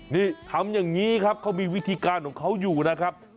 นี่ทำอย่างนี้ครับเขามีวิธีการของเขาอยู่นะครับ